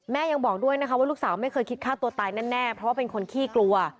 ยังบอกด้วยนะคะว่าลูกสาวไม่เคยคิดฆ่าตัวตายแน่เพราะว่าเป็นคนขี้กลัว